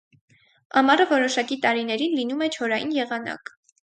Ամառը որոշակի տարիներին լինում է չորային եղանակ։